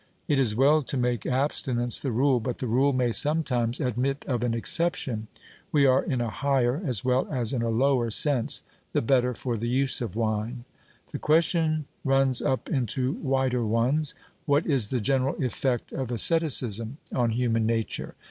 It is well to make abstinence the rule, but the rule may sometimes admit of an exception. We are in a higher, as well as in a lower sense, the better for the use of wine. The question runs up into wider ones What is the general effect of asceticism on human nature?